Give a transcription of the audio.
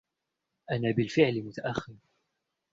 أنا بالفعل متأخر.